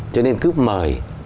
cho nên cứ mời